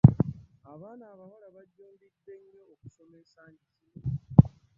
Abaana abawala bajjumbidde nnyo okusoma ensangi zino.